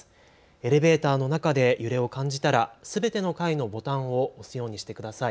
エレベーターの中で揺れを感じたら、すべての階のボタンを押すようにしてください。